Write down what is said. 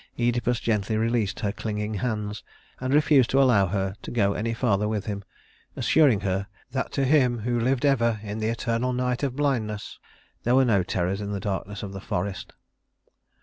Œdipus gently released her clinging hands, and refused to allow her to go any farther with him, assuring her that to him who lived ever in the eternal night of blindness, there were no terrors in the darkness of the forest.